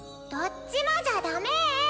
どっちもじゃだめぇ！